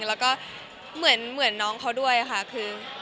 แล้วก็เหมือนน้องเขาด้วยค่ะคือ